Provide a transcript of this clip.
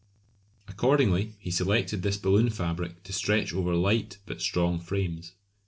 Accordingly he selected this balloon fabric to stretch over light but strong frames.